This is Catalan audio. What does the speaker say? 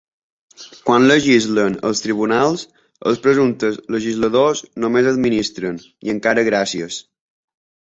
Quan legislen els tribunals, els presumptes legisladors només administren, i encara gràcies.